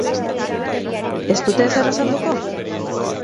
Ez dute ezer azalduko?